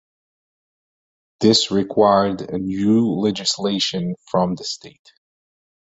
This required new legislation from the state.